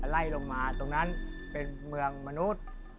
ไล่ลงมาตรงนั้นเป็นเมืองมนุษย์